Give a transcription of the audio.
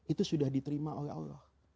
itu sudah diterima oleh allah